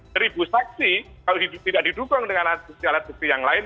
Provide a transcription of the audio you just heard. seribu saksi kalau tidak didukung dengan alat bukti yang lain